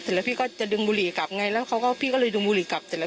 พี่ก็จะดึงบุหรี่กลับไงแล้วเขาก็พี่ก็เลยดึงบุหรี่กลับเสร็จแล้ว